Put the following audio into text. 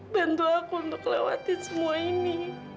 bantu aku untuk lewatin semua ini